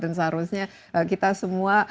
dan seharusnya kita semua